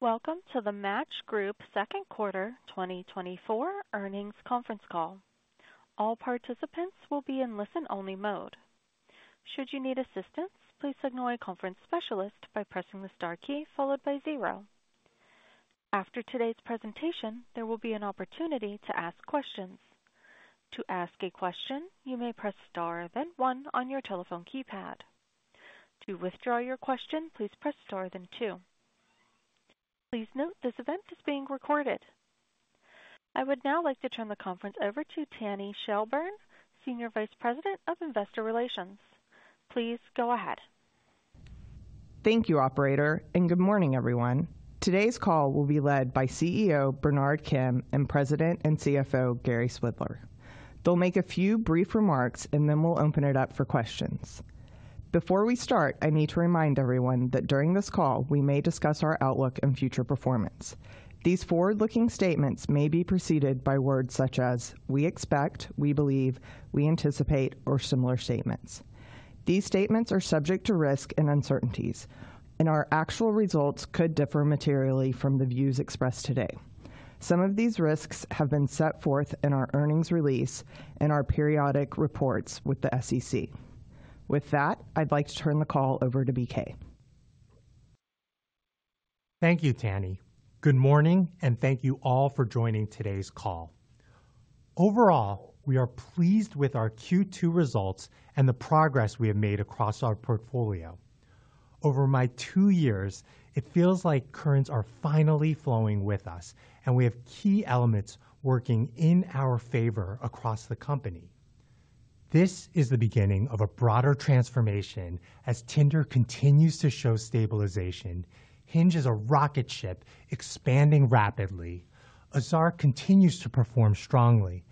Welcome to the Match Group Second Quarter 2024 Earnings Conference Call. All participants will be in listen-only mode. Should you need assistance, please signal a conference specialist by pressing the star key followed by zero. After today's presentation, there will be an opportunity to ask questions. To ask a question, you may press star, then one on your telephone keypad. To withdraw your question, please press star, then two. Please note, this event is being recorded. I would now like to turn the conference over to Tanny Shelburne, Senior Vice President of Investor Relations. Please go ahead. Thank you, operator, and good morning, everyone. Today's call will be led by CEO, Bernard Kim, and President and CFO, Gary Swidler. They'll make a few brief remarks, and then we'll open it up for questions. Before we start, I need to remind everyone that during this call, we may discuss our outlook and future performance. These forward-looking statements may be preceded by words such as: we expect, we believe, we anticipate, or similar statements. These statements are subject to risk and uncertainties, and our actual results could differ materially from the views expressed today. Some of these risks have been set forth in our earnings release and our periodic reports with the SEC. With that, I'd like to turn the call over to BK. Thank you, Tanny. Good morning, and thank you all for joining today's call. Overall, we are pleased with our Q2 results and the progress we have made across our portfolio. Over my two years, it feels like currents are finally flowing with us, and we have key elements working in our favor across the company. This is the beginning of a broader transformation as Tinder continues to show stabilization, Hinge is a rocket ship expanding rapidly, Azar continues to perform strongly,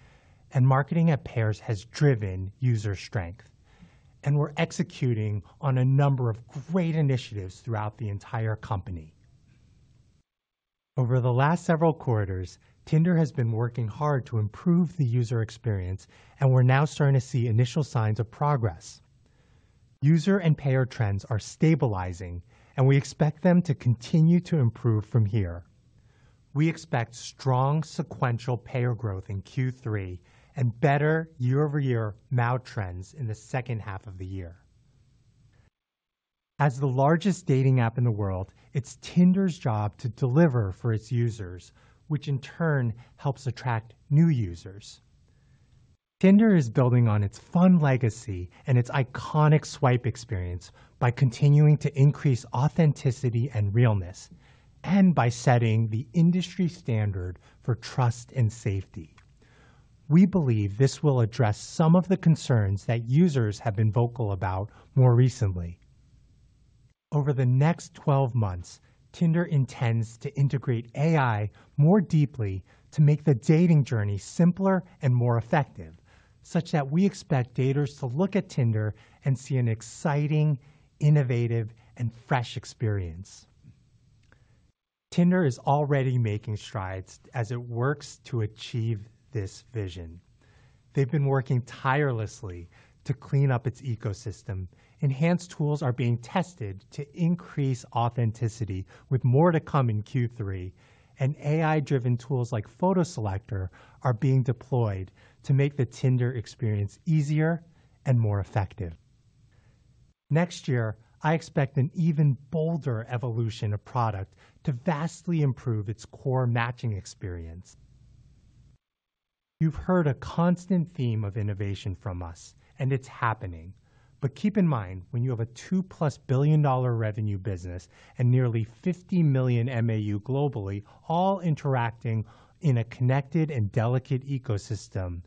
and marketing at Pairs has driven user strength. We're executing on a number of great initiatives throughout the entire company. Over the last several quarters, Tinder has been working hard to improve the user experience, and we're now starting to see initial signs of progress. User and payer trends are stabilizing, and we expect them to continue to improve from here. We expect strong sequential payer growth in Q3 and better year-over-year MAU trends in the second half of the year. As the largest dating app in the world, it's Tinder's job to deliver for its users, which in turn helps attract new users. Tinder is building on its fun legacy and its iconic swipe experience by continuing to increase authenticity and realness, and by setting the industry standard for trust and safety. We believe this will address some of the concerns that users have been vocal about more recently. Over the next 12 months, Tinder intends to integrate AI more deeply to make the dating journey simpler and more effective, such that we expect daters to look at Tinder and see an exciting, innovative, and fresh experience. Tinder is already making strides as it works to achieve this vision. They've been working tirelessly to clean up its ecosystem. Enhanced tools are being tested to increase authenticity, with more to come in Q3, and AI-driven tools like Photo Selector are being deployed to make the Tinder experience easier and more effective. Next year, I expect an even bolder evolution of product to vastly improve its core matching experience. You've heard a constant theme of innovation from us, and it's happening. But keep in mind, when you have a $2+ billion revenue business and nearly 50 million MAU globally, all interacting in a connected and delicate ecosystem,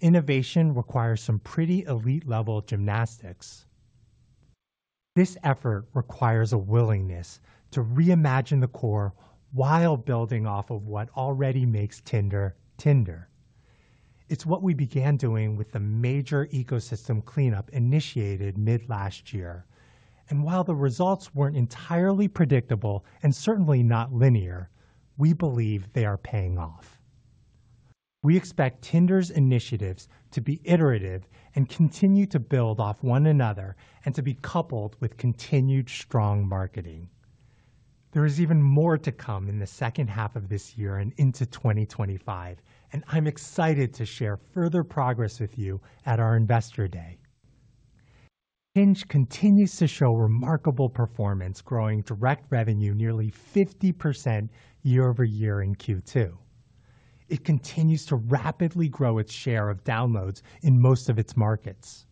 innovation requires some pretty elite-level gymnastics. This effort requires a willingness to reimagine the core while building off of what already makes Tinder, Tinder. It's what we began doing with the major ecosystem cleanup initiated mid-last year, and while the results weren't entirely predictable and certainly not linear, we believe they are paying off. We expect Tinder's initiatives to be iterative and continue to build off one another and to be coupled with continued strong marketing. There is even more to come in the second half of this year and into 2025, and I'm excited to share further progress with you at our Investor Day. Hinge continues to show remarkable performance, growing direct revenue nearly 50% year-over-year in Q2. It continues to rapidly grow its share of downloads in most of its markets.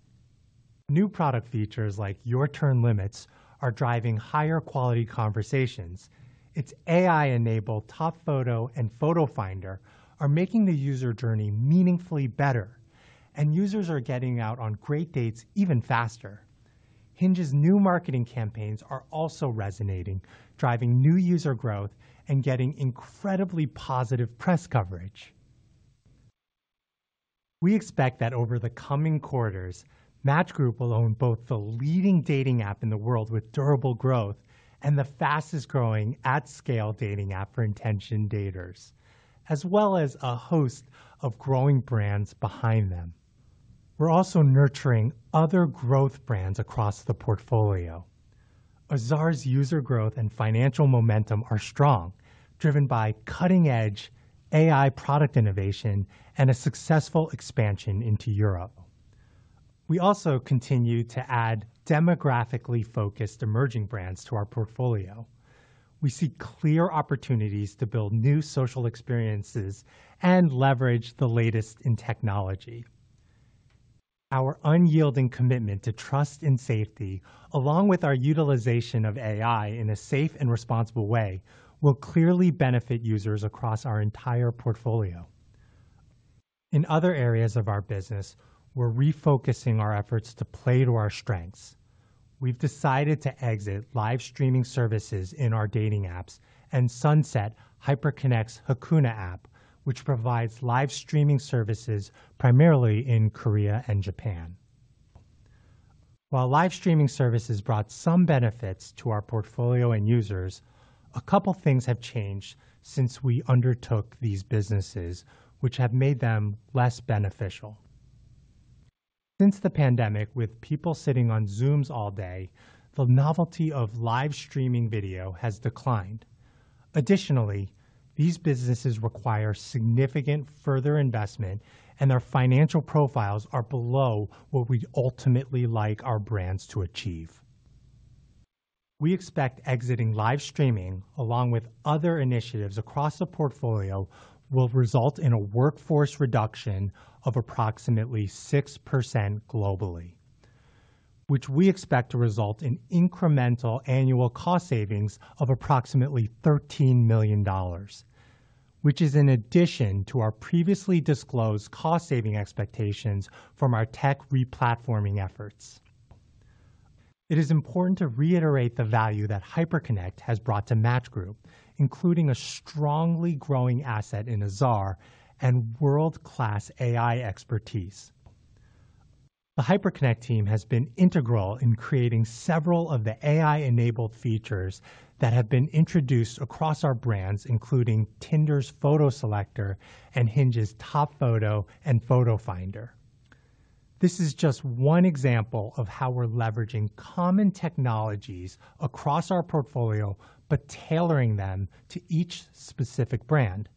New product features like Your Turn Limits are driving higher quality conversations. Its AI-enabled Top Photo and Photo Finder are making the user journey meaningfully better, and users are getting out on great dates even faster. Hinge's new marketing campaigns are also resonating, driving new user growth and getting incredibly positive press coverage. We expect that over the coming quarters, Match Group will own both the leading dating app in the world with durable growth and the fastest-growing, at-scale dating app for intention daters, as well as a host of growing brands behind them. We're also nurturing other growth brands across the portfolio. Azar's user growth and financial momentum are strong, driven by cutting-edge AI product innovation and a successful expansion into Europe. We also continue to add demographically focused emerging brands to our portfolio. We see clear opportunities to build new social experiences and leverage the latest in technology. Our unyielding commitment to trust and safety, along with our utilization of AI in a safe and responsible way, will clearly benefit users across our entire portfolio. In other areas of our business, we're refocusing our efforts to play to our strengths. We've decided to exit live streaming services in our dating apps and sunset Hyperconnect's Hakuna app, which provides live streaming services primarily in Korea and Japan. While live streaming services brought some benefits to our portfolio and users, a couple things have changed since we undertook these businesses, which have made them less beneficial. Since the pandemic, with people sitting on Zooms all day, the novelty of live streaming video has declined. Additionally, these businesses require significant further investment, and their financial profiles are below what we'd ultimately like our brands to achieve. We expect exiting live streaming, along with other initiatives across the portfolio, will result in a workforce reduction of approximately 6% globally, which we expect to result in incremental annual cost savings of approximately $13 million, which is in addition to our previously disclosed cost-saving expectations from our tech re-platforming efforts. It is important to reiterate the value that Hyperconnect has brought to Match Group, including a strongly growing asset in Azar and world-class AI expertise. The Hyperconnect team has been integral in creating several of the AI-enabled features that have been introduced across our brands, including Tinder's Photo Selector and Hinge's Top Photo and Photo Finder. This is just one example of how we're leveraging common technologies across our portfolio, but tailoring them to each specific brand.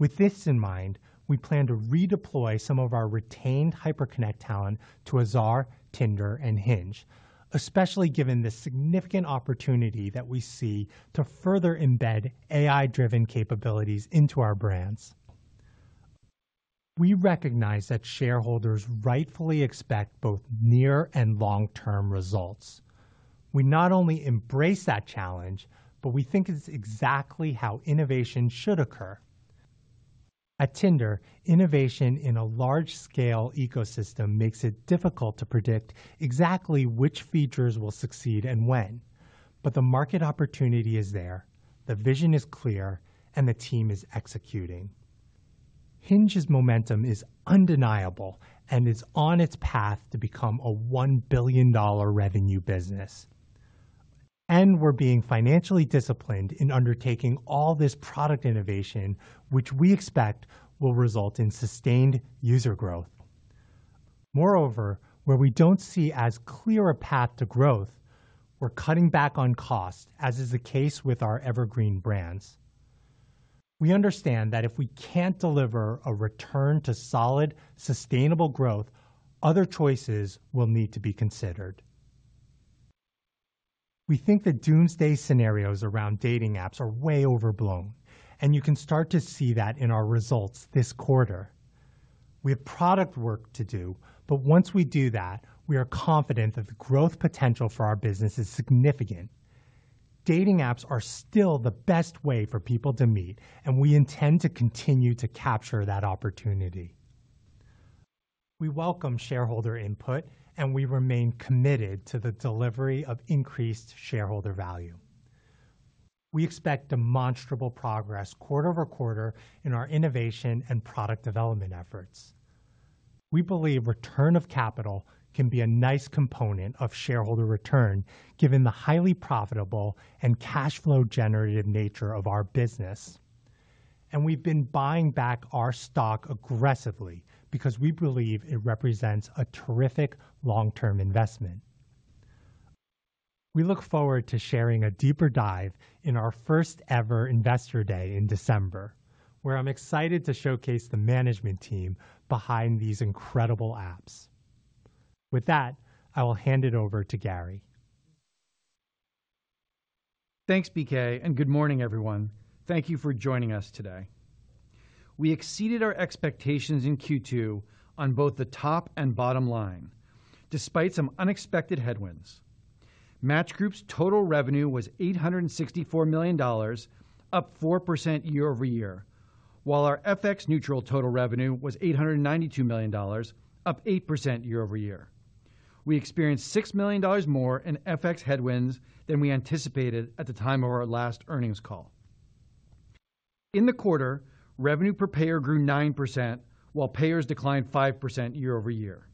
With this in mind, we plan to redeploy some of our retained Hyperconnect talent to Azar, Tinder, and Hinge, especially given the significant opportunity that we see to further embed AI-driven capabilities into our brands. We recognize that shareholders rightfully expect both near and long-term results. We not only embrace that challenge, but we think it's exactly how innovation should occur. At Tinder, innovation in a large-scale ecosystem makes it difficult to predict exactly which features will succeed and when. But the market opportunity is there, the vision is clear, and the team is executing. Hinge's momentum is undeniable and is on its path to become a $1 billion revenue business. We're being financially disciplined in undertaking all this product innovation, which we expect will result in sustained user growth. Moreover, where we don't see as clear a path to growth, we're cutting back on cost, as is the case with our Evergreen Brands. We understand that if we can't deliver a return to solid, sustainable growth, other choices will need to be considered. We think the doomsday scenarios around dating apps are way overblown, and you can start to see that in our results this quarter. We have product work to do, but once we do that, we are confident that the growth potential for our business is significant. Dating apps are still the best way for people to meet, and we intend to continue to capture that opportunity. We welcome shareholder input, and we remain committed to the delivery of increased shareholder value. We expect demonstrable progress quarter-over-quarter in our innovation and product development efforts. We believe return of capital can be a nice component of shareholder return, given the highly profitable and cash flow generative nature of our business. And we've been buying back our stock aggressively because we believe it represents a terrific long-term investment. We look forward to sharing a deeper dive in our first-ever Investor Day in December, where I'm excited to showcase the management team behind these incredible apps. With that, I will hand it over to Gary. Thanks, BK, and good morning, everyone. Thank you for joining us today. We exceeded our expectations in Q2 on both the top and bottom line, despite some unexpected headwinds. Match Group's total revenue was $864 million, up 4% year-over-year, while our FX neutral total revenue was $892 million, up 8% year-over-year. We experienced $6 million more in FX headwinds than we anticipated at the time of our last earnings call. In the quarter, revenue per payer grew 9%, while payers declined 5% year-over-year.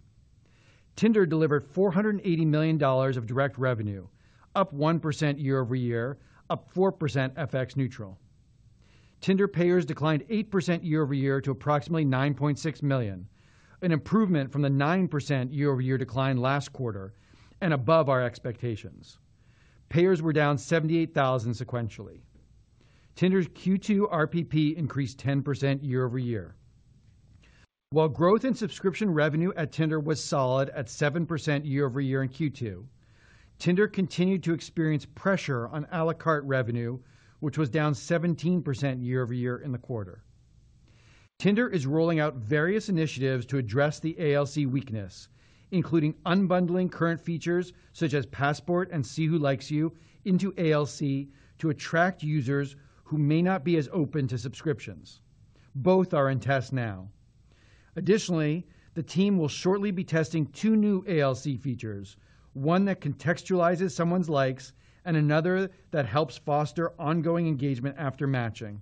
Tinder delivered $480 million of direct revenue, up 1% year-over-year, up 4% FX neutral. Tinder payers declined 8% year-over-year to approximately 9.6 million, an improvement from the 9% year-over-year decline last quarter and above our expectations. Payers were down 78,000 sequentially. Tinder's Q2 RPP increased 10% year-over-year. While growth in subscription revenue at Tinder was solid at 7% year-over-year in Q2, Tinder continued to experience pressure on a la carte revenue, which was down 17% year-over-year in the quarter. Tinder is rolling out various initiatives to address the ALC weakness, including unbundling current features such as Passport and See Who Likes You into ALC to attract users who may not be as open to subscriptions. Both are in test now. Additionally, the team will shortly be testing two new ALC features, one that contextualizes someone's likes and another that helps foster ongoing engagement after matching.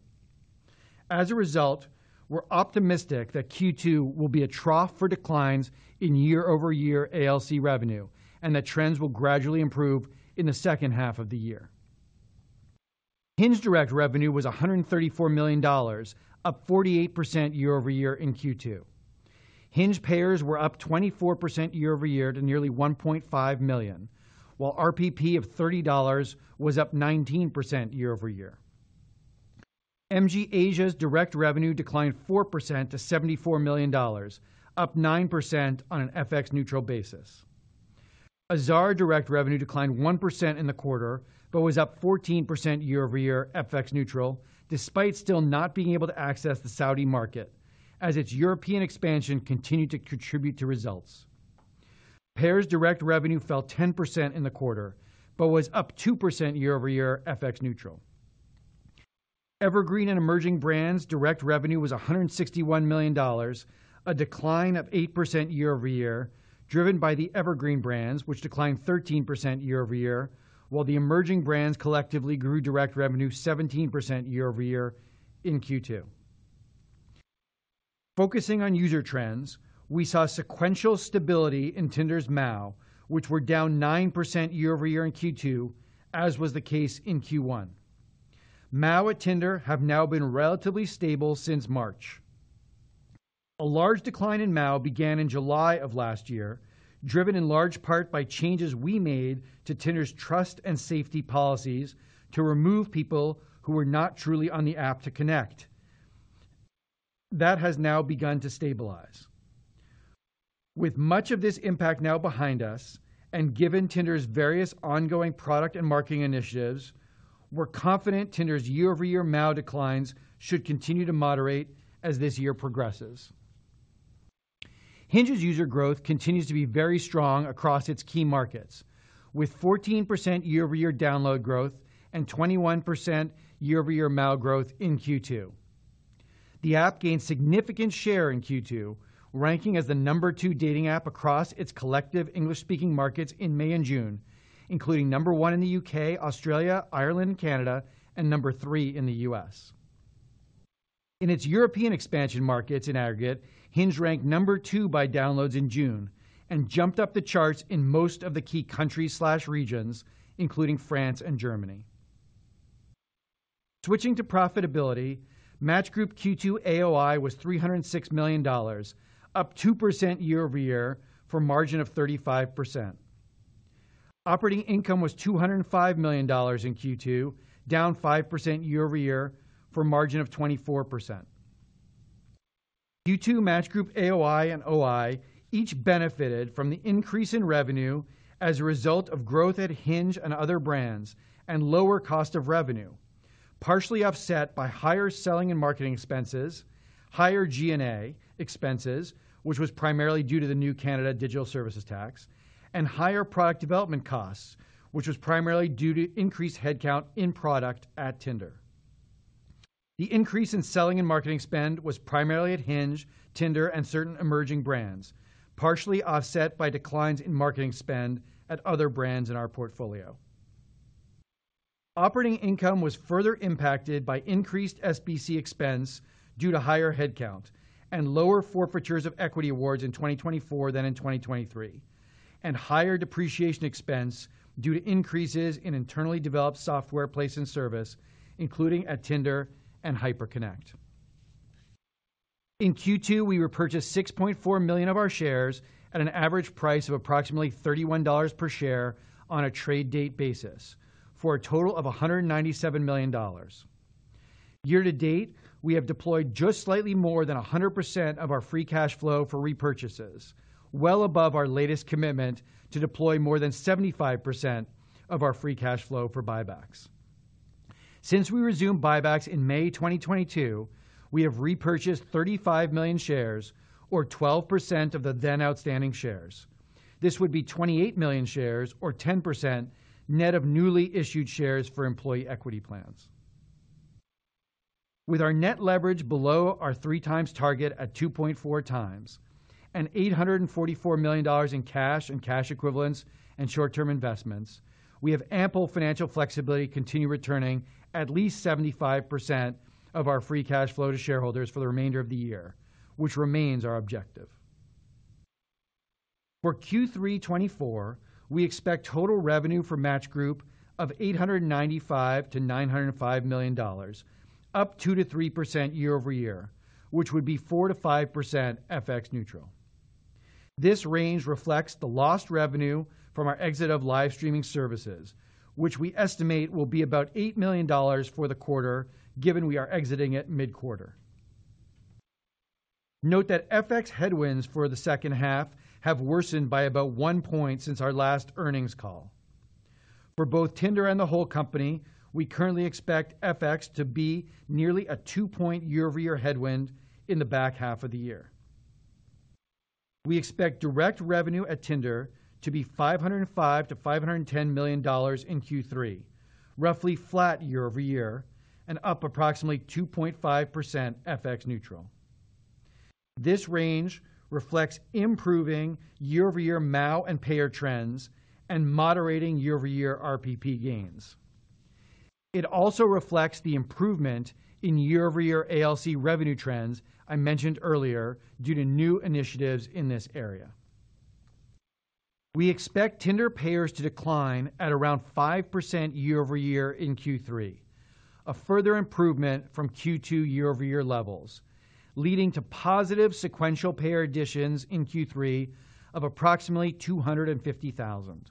As a result, we're optimistic that Q2 will be a trough for declines in year-over-year ALC revenue and that trends will gradually improve in the second half of the year. Hinge direct revenue was $134 million, up 48% year-over-year in Q2. Hinge payers were up 24% year-over-year to nearly 1.5 million, while RPP of $30 was up 19% year-over-year. MG Asia's direct revenue declined 4% to $74 million, up 9% on an FX neutral basis. Azar direct revenue declined 1% in the quarter, but was up 14% year-over-year, FX neutral, despite still not being able to access the Saudi market as its European expansion continued to contribute to results. Pairs direct revenue fell 10% in the quarter, but was up 2% year-over-year, FX neutral. Evergreen and Emerging Brands direct revenue was $161 million, a decline of 8% year-over-year, driven by the Evergreen Brands, which declined 13% year-over-year, while the Emerging Brands collectively grew direct revenue 17% year-over-year in Q2. Focusing on user trends, we saw sequential stability in Tinder's MAU, which were down 9% year-over-year in Q2, as was the case in Q1. MAU at Tinder have now been relatively stable since March. A large decline in MAU began in July of last year, driven in large part by changes we made to Tinder's trust and safety policies to remove people who were not truly on the app to connect. That has now begun to stabilize. With much of this impact now behind us, and given Tinder's various ongoing product and marketing initiatives, we're confident Tinder's year-over-year MAU declines should continue to moderate as this year progresses. Hinge's user growth continues to be very strong across its key markets, with 14% year-over-year download growth and 21% year-over-year MAU growth in Q2. The app gained significant share in Q2, ranking as the number two dating app across its collective English-speaking markets in May and June, including number one in the U.K., Australia, Ireland, and Canada, and number three in the U.S. In its European expansion markets in aggregate, Hinge ranked number two by downloads in June and jumped up the charts in most of the key countries/regions, including France and Germany. Switching to profitability, Match Group Q2 AOI was $306 million, up 2% year-over-year, for a margin of 35%. Operating income was $205 million in Q2, down 5% year-over-year, for a margin of 24%. Q2 Match Group AOI and OI each benefited from the increase in revenue as a result of growth at Hinge and other brands and lower cost of revenue, partially offset by higher selling and marketing expenses, higher G&A expenses, which was primarily due to the new Canada Digital Services Tax, and higher product development costs, which was primarily due to increased headcount in product at Tinder. The increase in selling and marketing spend was primarily at Hinge, Tinder, and certain emerging brands, partially offset by declines in marketing spend at other brands in our portfolio. Operating income was further impacted by increased SBC expense due to higher headcount and lower forfeitures of equity awards in 2024 than in 2023, and higher depreciation expense due to increases in internally developed software placed in service, including at Tinder and Hyperconnect. In Q2, we repurchased 6.4 million of our shares at an average price of approximately $31 per share on a trade date basis, for a total of $197 million. Year to date, we have deployed just slightly more than 100% of our free cash flow for repurchases, well above our latest commitment to deploy more than 75% of our free cash flow for buybacks. Since we resumed buybacks in May 2022, we have repurchased 35 million shares or 12% of the then outstanding shares. This would be 28 million shares or 10% net of newly issued shares for employee equity plans. With our net leverage below our 3x target at 2.4x and $844 million in cash and cash equivalents and short-term investments, we have ample financial flexibility to continue returning at least 75% of our free cash flow to shareholders for the remainder of the year, which remains our objective. For Q3 2024, we expect total revenue for Match Group of $895 million-$905 million, up 2%-3% year-over-year, which would be 4%-5% FX neutral. This range reflects the lost revenue from our exit of live streaming services, which we estimate will be about $8 million for the quarter, given we are exiting at mid-quarter. Note that FX headwinds for the second half have worsened by about 1 point since our last earnings call. For both Tinder and the whole company, we currently expect FX to be nearly a 2-point year-over-year headwind in the back half of the year. We expect direct revenue at Tinder to be $505 million-$510 million in Q3, roughly flat year over year, and up approximately 2.5% FX neutral. This range reflects improving year-over-year MAU and payer trends and moderating year-over-year RPP gains. It also reflects the improvement in year-over-year ALC revenue trends I mentioned earlier, due to new initiatives in this area. We expect Tinder payers to decline at around 5% year over year in Q3, a further improvement from Q2 year-over-year levels, leading to positive sequential payer additions in Q3 of approximately 250,000.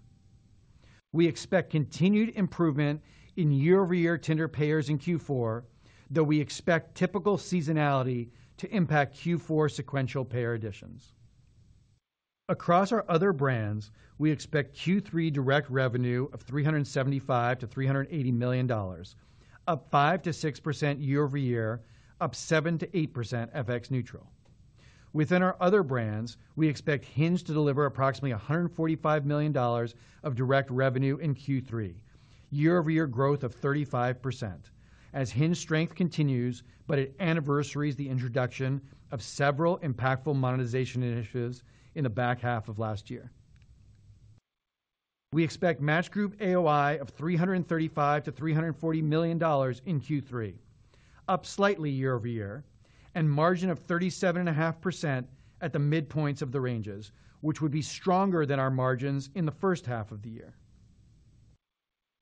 We expect continued improvement in year-over-year Tinder payers in Q4, though we expect typical seasonality to impact Q4 sequential payer additions. Across our other brands, we expect Q3 direct revenue of $375 million-$380 million, up 5%-6% year over year, up 7%-8% FX neutral. Within our other brands, we expect Hinge to deliver approximately $145 million of direct revenue in Q3, year-over-year growth of 35%, as Hinge strength continues, but it anniversaries the introduction of several impactful monetization initiatives in the back half of last year. We expect Match Group AOI of $335 million-$340 million in Q3, up slightly year-over-year, and margin of 37.5% at the midpoints of the ranges, which would be stronger than our margins in the first half of the year.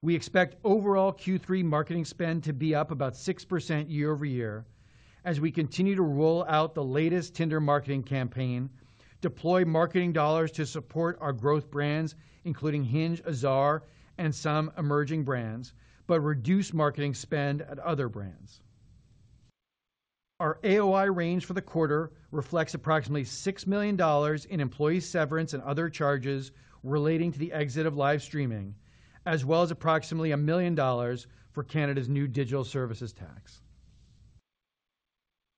We expect overall Q3 marketing spend to be up about 6% year-over-year as we continue to roll out the latest Tinder marketing campaign, deploy marketing dollars to support our growth brands, including Hinge, Azar, and some emerging brands, but reduce marketing spend at other brands. Our AOI range for the quarter reflects approximately $6 million in employee severance and other charges relating to the exit of live streaming, as well as approximately $1 million for Canada's new Digital Services Tax.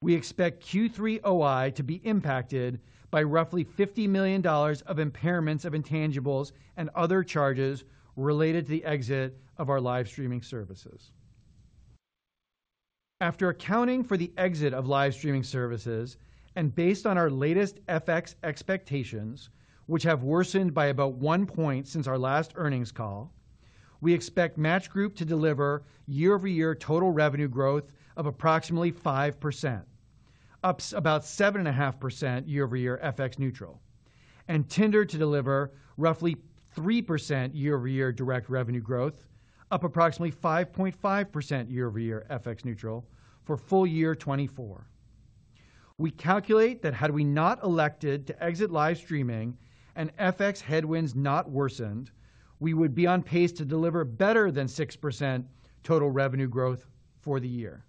We expect Q3 AOI to be impacted by roughly $50 million of impairments of intangibles and other charges related to the exit of our live streaming services. After accounting for the exit of live streaming services and based on our latest FX expectations, which have worsened by about 1 point since our last earnings call, we expect Match Group to deliver year-over-year total revenue growth of approximately 5%, up about 7.5% year over year, FX neutral, and Tinder to deliver roughly 3% year-over-year direct revenue growth, up approximately 5.5% year over year, FX neutral for full year 2024. We calculate that had we not elected to exit live streaming and FX headwinds not worsened, we would be on pace to deliver better than 6% total revenue growth for the year.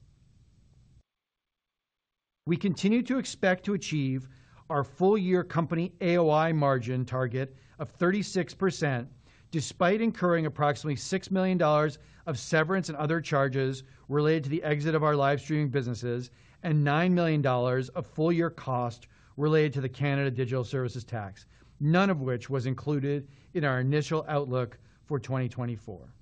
We continue to expect to achieve our full-year company AOI margin target of 36%, despite incurring approximately $6 million of severance and other charges related to the exit of our live streaming businesses and $9 million of full-year cost related to the Canada Digital Services Tax, none of which was included in our initial outlook for 2024.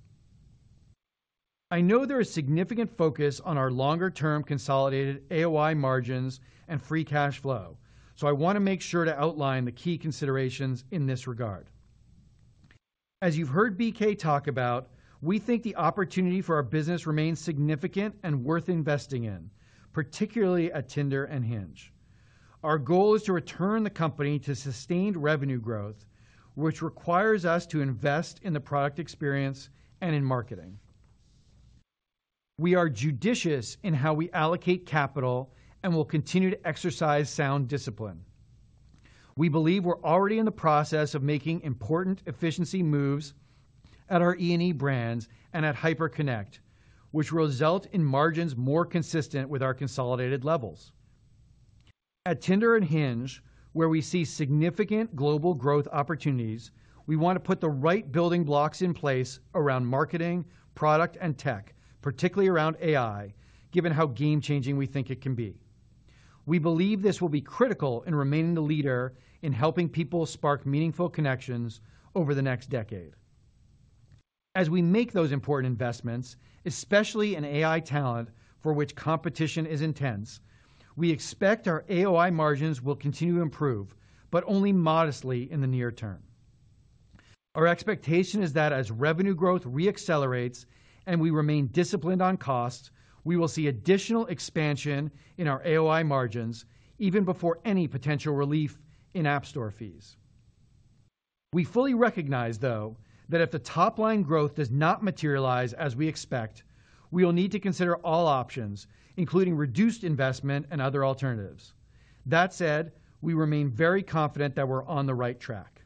I know there is significant focus on our longer-term consolidated AOI margins and free cash flow, so I want to make sure to outline the key considerations in this regard. As you've heard BK talk about, we think the opportunity for our business remains significant and worth investing in, particularly at Tinder and Hinge. Our goal is to return the company to sustained revenue growth, which requires us to invest in the product experience and in marketing. We are judicious in how we allocate capital and will continue to exercise sound discipline. We believe we're already in the process of making important efficiency moves at our E&E brands and at Hyperconnect, which will result in margins more consistent with our consolidated levels. At Tinder and Hinge, where we see significant global growth opportunities, we want to put the right building blocks in place around marketing, product, and tech, particularly around AI, given how game-changing we think it can be. We believe this will be critical in remaining the leader in helping people spark meaningful connections over the next decade. As we make those important investments, especially in AI talent, for which competition is intense, we expect our AOI margins will continue to improve, but only modestly in the near term. Our expectation is that as revenue growth re-accelerates and we remain disciplined on costs, we will see additional expansion in our AOI margins even before any potential relief in App Store fees. We fully recognize, though, that if the top line growth does not materialize as we expect, we will need to consider all options, including reduced investment and other alternatives. That said, we remain very confident that we're on the right track.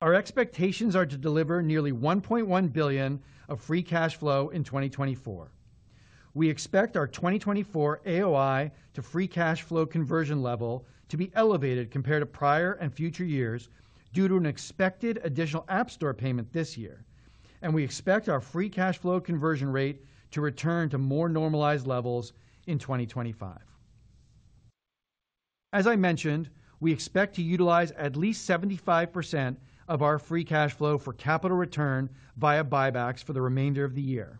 Our expectations are to deliver nearly $1.1 billion of free cash flow in 2024. We expect our 2024 AOI to free cash flow conversion level to be elevated compared to prior and future years due to an expected additional App Store payment this year. We expect our free cash flow conversion rate to return to more normalized levels in 2025. As I mentioned, we expect to utilize at least 75% of our free cash flow for capital return via buybacks for the remainder of the year.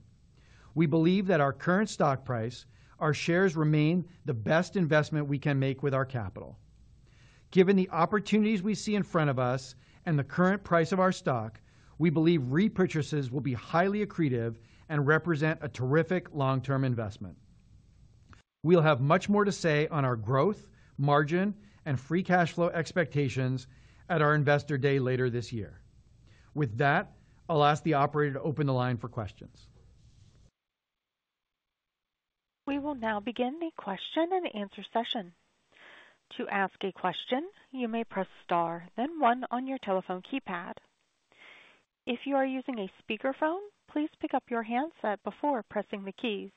We believe that our current stock price, our shares remain the best investment we can make with our capital. Given the opportunities we see in front of us and the current price of our stock, we believe repurchases will be highly accretive and represent a terrific long-term investment. We'll have much more to say on our growth, margin, and free cash flow expectations at our Investor Day later this year. With that, I'll ask the operator to open the line for questions. We will now begin the question and answer session. To ask a question, you may press star, then one on your telephone keypad. If you are using a speakerphone, please pick up your handset before pressing the keys.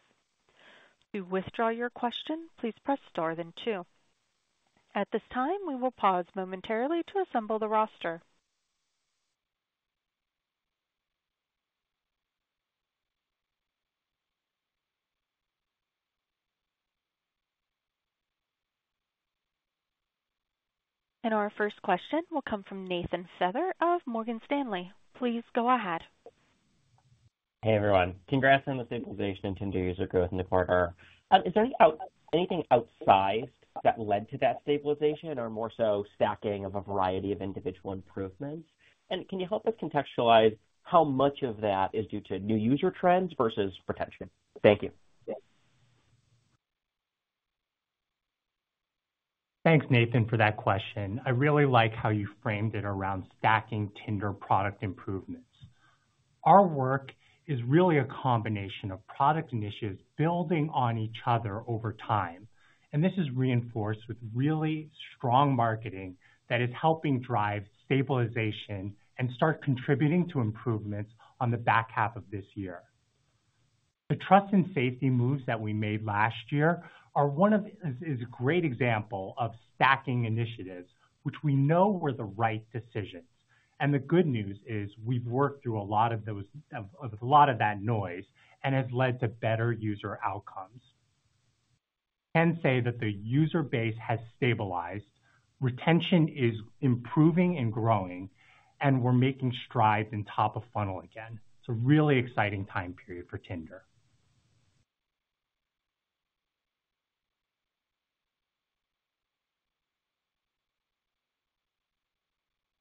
To withdraw your question, please press star, then two. At this time, we will pause momentarily to assemble the roster. And our first question will come from Nathan Feather of Morgan Stanley. Please go ahead. Hey, everyone. Congrats on the stabilization and Tinder user growth in the quarter. Is there any outsized that led to that stabilization or more so stacking of a variety of individual improvements? Can you help us contextualize how much of that is due to new user trends versus retention? Thank you. Thanks, Nathan, for that question. I really like how you framed it around stacking Tinder product improvements. Our work is really a combination of product initiatives building on each other over time, and this is reinforced with really strong marketing that is helping drive stabilization and start contributing to improvements on the back half of this year. The trust and safety moves that we made last year is a great example of stacking initiatives which we know were the right decisions. And the good news is we've worked through a lot of that noise and has led to better user outcomes. I can say that the user base has stabilized, retention is improving and growing, and we're making strides in top of funnel again. It's a really exciting time period for Tinder.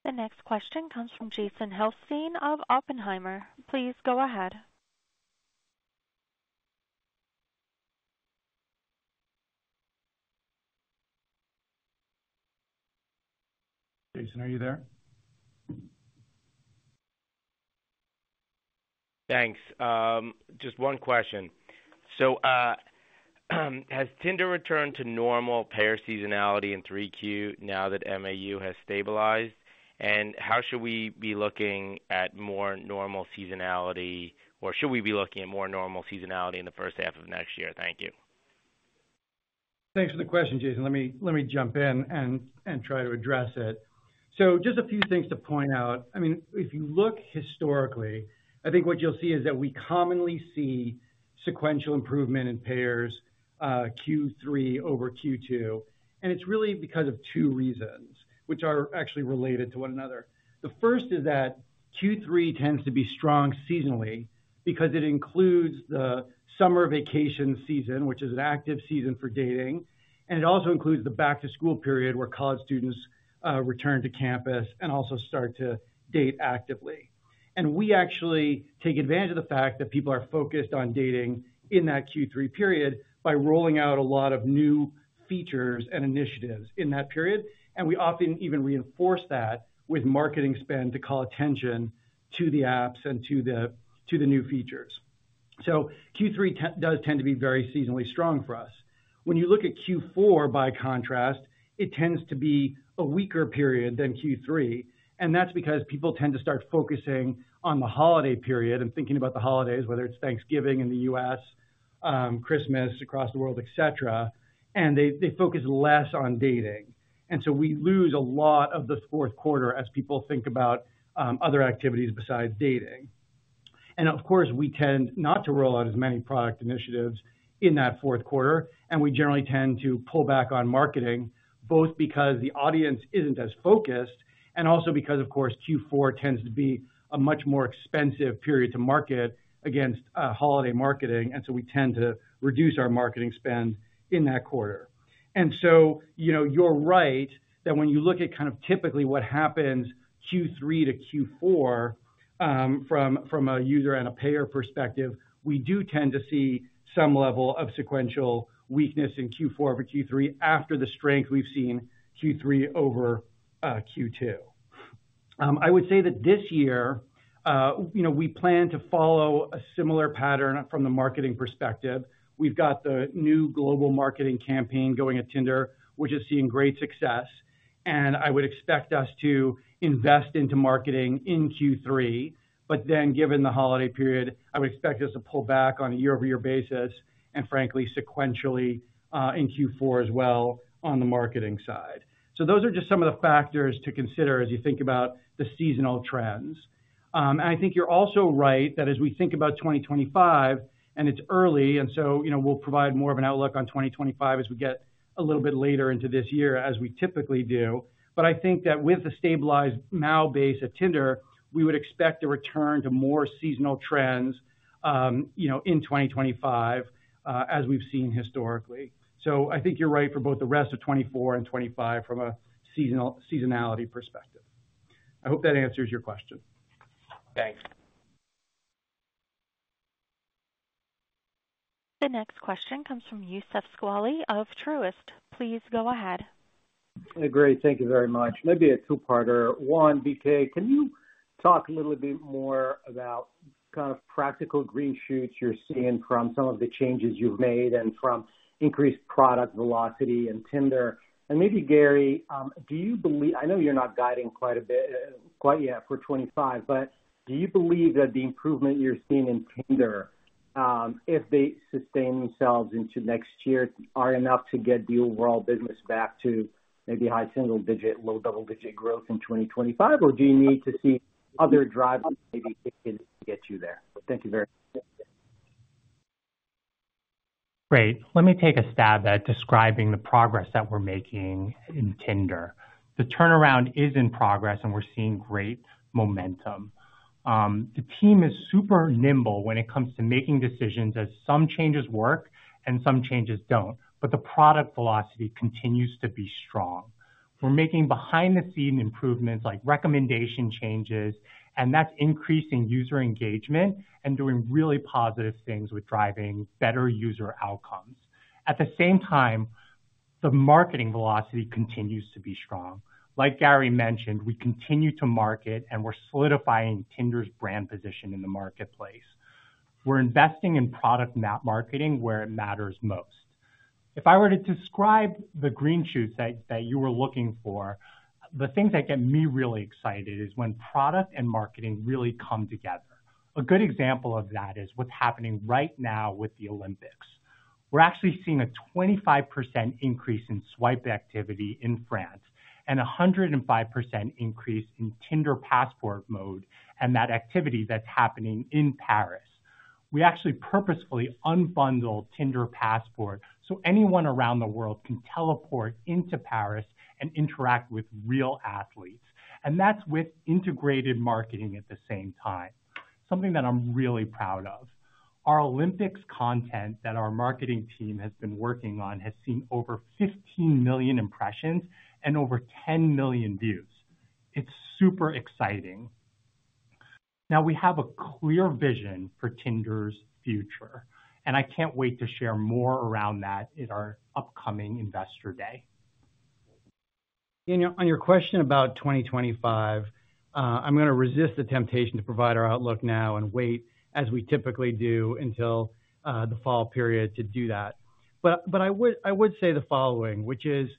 The next question comes from Jason Helfstein of Oppenheimer. Please go ahead. Jason, are you there? Thanks. Just one question. So, has Tinder returned to normal payer seasonality in 3Q now that MAU has stabilized? And how should we be looking at more normal seasonality, or should we be looking at more normal seasonality in the first half of next year? Thank you. Thanks for the question, Jason. Let me, let me jump in and, and try to address it. Just a few things to point out. I mean, if you look historically, I think what you'll see is that we commonly see sequential improvement in payers, Q3 over Q2. It's really because of two reasons, which are actually related to one another. The first is that Q3 tends to be strong seasonally because it includes the summer vacation season, which is an active season for dating, and it also includes the back-to-school period, where college students, return to campus and also start to date actively. We actually take advantage of the fact that people are focused on dating in that Q3 period by rolling out a lot of new features and initiatives in that period. And we often even reinforce that with marketing spend to call attention to the apps and to the new features. So Q3 does tend to be very seasonally strong for us. When you look at Q4, by contrast, it tends to be a weaker period than Q3, and that's because people tend to start focusing on the holiday period and thinking about the holidays, whether it's Thanksgiving in the U.S., Christmas across the world, et cetera, and they focus less on dating. And so we lose a lot of the fourth quarter as people think about other activities besides dating. And of course, we tend not to roll out as many product initiatives in that fourth quarter, and we generally tend to pull back on marketing, both because the audience isn't as focused and also because, of course, Q4 tends to be a much more expensive period to market against, holiday marketing, and so we tend to reduce our marketing spend in that quarter. And so, you know, you're right, that when you look at kind of typically what happens Q3 to Q4, from a user and a payer perspective, we do tend to see some level of sequential weakness in Q4 over Q3 after the strength we've seen Q3 over Q2. I would say that this year, you know, we plan to follow a similar pattern from the marketing perspective. We've got the new global marketing campaign going at Tinder, which is seeing great success, and I would expect us to invest into marketing in Q3, but then given the holiday period, I would expect us to pull back on a year-over-year basis and frankly, sequentially, in Q4 as well on the marketing side. So those are just some of the factors to consider as you think about the seasonal trends. And I think you're also right that as we think about 2025 and it's early, and so, you know, we'll provide more of an outlook on 2025 as we get a little bit later into this year, as we typically do. But I think that with the stabilized MAU base at Tinder, we would expect a return to more seasonal trends, you know, in 2025, as we've seen historically. So I think you're right for both the rest of 2024 and 2025 from a seasonality perspective. I hope that answers your question. Thanks. The next question comes from Youssef Squali of Truist. Please go ahead. Great. Thank you very much. Maybe a two-parter. One, BK, can you talk a little bit more about kind of practical green shoots you're seeing from some of the changes you've made and from increased product velocity in Tinder? And maybe, Gary, do you believe, I know you're not guiding quite a bit, quite yet for 2025, but do you believe that the improvement you're seeing in Tinder, if they sustain themselves into next year, are enough to get the overall business back to maybe high single-digit, low double-digit growth in 2025? Or do you need to see other drivers maybe to get you there? Thank you very much. Great. Let me take a stab at describing the progress that we're making in Tinder. The turnaround is in progress, and we're seeing great momentum. The team is super nimble when it comes to making decisions, as some changes work and some changes don't, but the product velocity continues to be strong. We're making behind-the-scene improvements, like recommendation changes, and that's increasing user engagement and doing really positive things with driving better user outcomes. At the same time, the marketing velocity continues to be strong. Like Gary mentioned, we continue to market, and we're solidifying Tinder's brand position in the marketplace. We're investing in product map marketing where it matters most. If I were to describe the green shoots that you were looking for, the things that get me really excited is when product and marketing really come together. A good example of that is what's happening right now with the Olympics. We're actually seeing a 25% increase in swipe activity in France and a 105% increase in Tinder Passport mode and that activity that's happening in Paris. We actually purposefully unbundled Tinder Passport, so anyone around the world can teleport into Paris and interact with real athletes, and that's with integrated marketing at the same time, something that I'm really proud of. Our Olympics content that our marketing team has been working on has seen over 15 million impressions and over 10 million views. It's super exciting. Now we have a clear vision for Tinder's future, and I can't wait to share more around that in our upcoming Investor Day. And on your question about 2025, I'm gonna resist the temptation to provide our outlook now and wait, as we typically do, until the fall period to do that. But I would say the following, which is,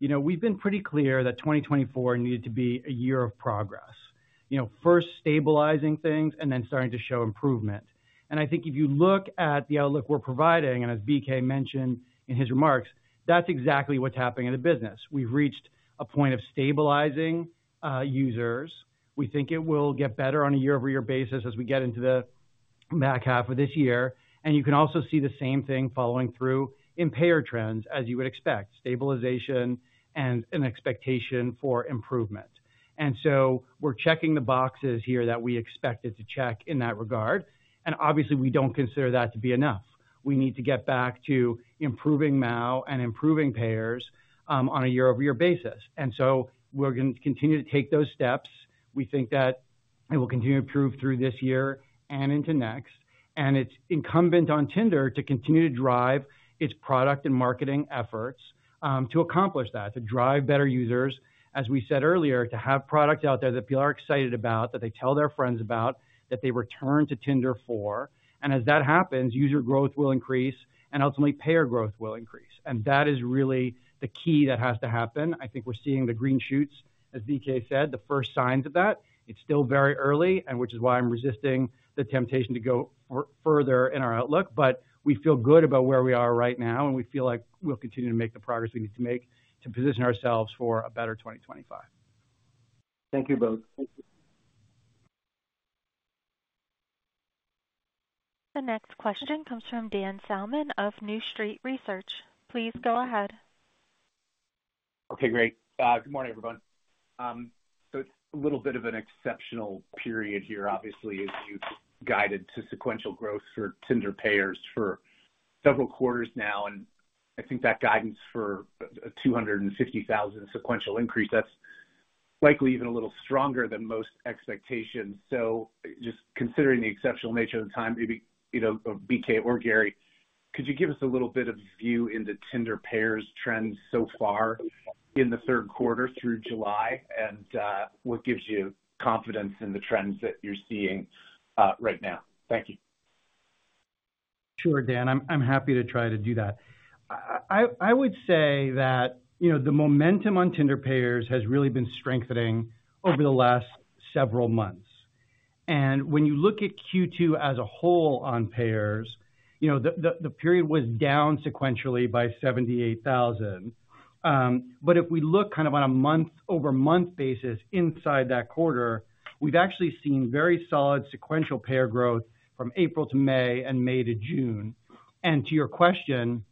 you know, we've been pretty clear that 2024 needed to be a year of progress. You know, first stabilizing things and then starting to show improvement. And I think if you look at the outlook we're providing, and as BK mentioned in his remarks, that's exactly what's happening in the business. We've reached a point of stabilizing users. We think it will get better on a year-over-year basis as we get into the back half of this year. And you can also see the same thing following through in payer trends as you would expect, stabilization and an expectation for improvement. We're checking the boxes here that we expected to check in that regard, and obviously, we don't consider that to be enough. We need to get back to improving MAU and improving payers, on a year-over-year basis, and so we're going to continue to take those steps. We think that it will continue to improve through this year and into next. It's incumbent on Tinder to continue to drive its product and marketing efforts, to accomplish that, to drive better users, as we said earlier, to have product out there that people are excited about, that they tell their friends about, that they return to Tinder for. As that happens, user growth will increase and ultimately payer growth will increase, and that is really the key that has to happen. I think we're seeing the green shoots, as BK said, the first signs of that. It's still very early, and which is why I'm resisting the temptation to go further in our outlook. But we feel good about where we are right now, and we feel like we'll continue to make the progress we need to make to position ourselves for a better 2025. Thank you both. The next question comes from Dan Salmon of New Street Research. Please go ahead. Okay, great. Good morning, everyone. So it's a little bit of an exceptional period here, obviously, as you've guided to sequential growth for Tinder payers for several quarters now, and I think that guidance for 250,000 sequential increase, that's likely even a little stronger than most expectations. So just considering the exceptional nature of the time, maybe, you know, BK or Gary, could you give us a little bit of view into Tinder payers trends so far in the third quarter through July? And, what gives you confidence in the trends that you're seeing, right now? Thank you. Sure, Dan, I'm happy to try to do that. I would say that, you know, the momentum on Tinder payers has really been strengthening over the last several months. And when you look at Q2 as a whole on payers, you know, the period was down sequentially by 78,000. But if we look kind of on a month-over-month basis inside that quarter, we've actually seen very solid sequential payer growth from April to May and May to June. And to your question,